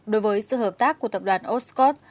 đối với sự hợp tác của tập đoàn oscot